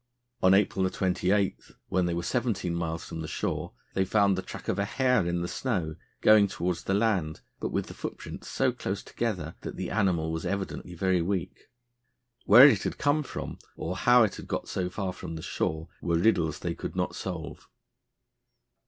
On April 28, when they were seventeen miles from the shore, they found the track of a hare in the snow, going towards the land, but with the footprints so close together that the animal was evidently very weak. Where it had come from, or how it had got so far from the shore, were riddles they could not solve.